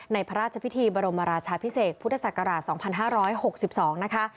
พระราชพิธีบรมราชาพิเศษพุทธศักราช๒๕๖๒นะคะ